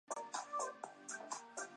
简单讲就是时间不足